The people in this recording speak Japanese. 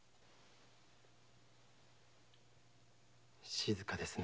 静かですね。